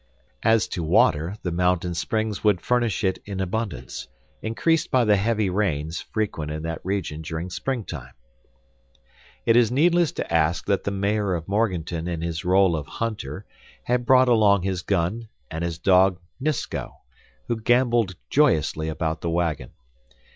As to water the mountain springs would furnish it in abundance, increased by the heavy rains, frequent in that region during springtime. It is needless to add that the Mayor of Morganton in his role of hunter, had brought along his gun and his dog, Nisko, who gamboled joyously about the wagon.